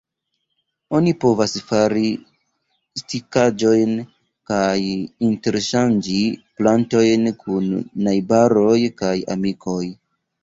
Oni povas fari stikaĵojn kaj interŝanĝi plantojn kun najbaroj kaj amikoj.